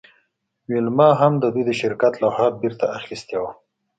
ویلما هم د دوی د شرکت لوحه بیرته اخیستې وه